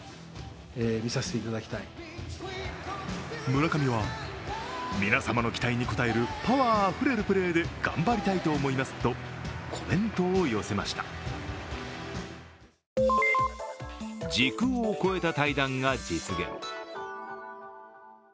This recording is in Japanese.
村上は皆様の期待に応えるパワーあふれるプレーで頑張りたいと思いますとコメントを寄せました。